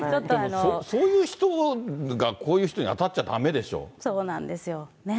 そういう人がこういう人に当たっちゃだめでしょ。